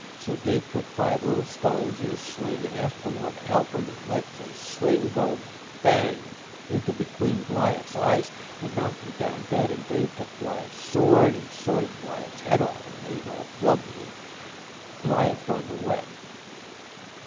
So Dave put five little stones in a sling an' asked de Lord to help him, an' let ze sling go bang into bequeen Bliaff's eyes an' knocked him down dead, an' Dave took Bliaff's sword an' sworded Bliaff's head off, an' made it all bluggy, an' Bliaff runned away."